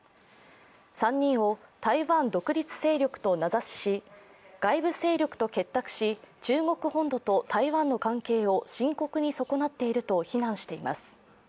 ３人を、台湾独立勢力と名指しし、外部勢力と結託し中国本土と台湾の関係を深刻に損なっていると非難しています。